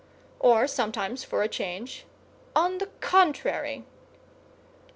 Or, sometimes, for a change, "On the contrary!"